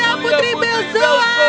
hidup yang mulia putri belzoa